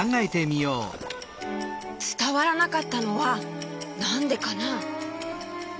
つたわらなかったのはなんでかな？